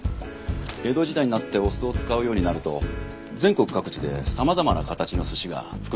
江戸時代になってお酢を使うようになると全国各地で様々な形の寿司が作られるようになりました。